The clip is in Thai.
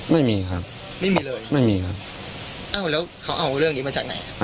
ไม่มีครับไม่มีเลยไม่มีครับเอ้าแล้วเขาเอาเรื่องนี้มาจากไหน